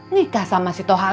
nikah sama si tohala